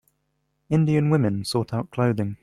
Indian women sort out clothing.